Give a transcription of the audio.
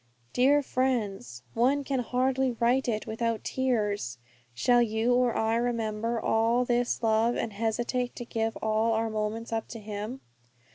Dear friends, one can hardly write it without tears. Shall you or I remember all this love, and hesitate to give all our moments up to Him?